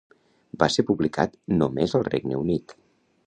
Va ser publicat només al Regne Unit.